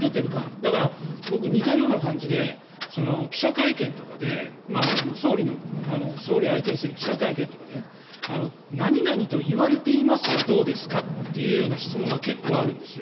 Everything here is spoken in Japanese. だから、似たような感じで総理を相手にする記者会見とかで何々と言われていますがどうですか？というような質問が結構あるんですよ。